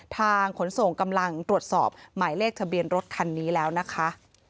ขนส่งกำลังตรวจสอบหมายเลขทะเบียนรถคันนี้แล้วนะคะ